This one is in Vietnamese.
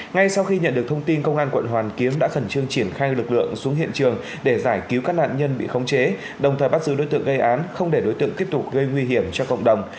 ngay sau khi nhận được thông tin công an quận hoàn kiếm đã khẩn trương triển khai lực lượng xuống hiện trường để giải cứu các nạn nhân bị khống chế đồng thời bắt giữ đối tượng gây án không để đối tượng tiếp tục gây nguy hiểm cho cộng đồng